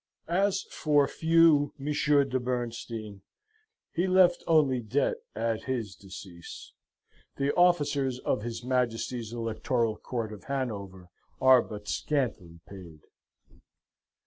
As for feu M. de Bernstein, he left only debt at his decease: the officers of his Majesty's Electoral Court of Hannover are but scantily paid.